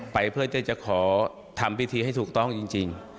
ไปเพื่อที่จะขอทำพิธีให้ถูกต้องจริง